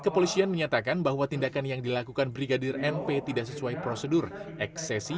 kepolisian menyatakan bahwa tindakan yang dilakukan brigadir mp tidak sesuai prosedur eksesi